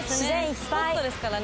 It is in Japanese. スポットですからね